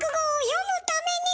読むために。